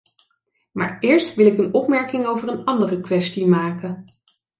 Maar eerst wil ik een opmerking over een andere kwestie maken.